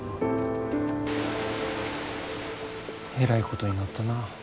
えらいことになったな。